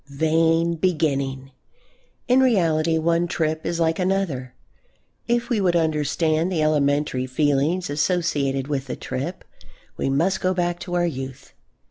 Vain beginning! In reality one trip is like another. If we would understand the elementary feelings associated with a trip we must go back to our youth.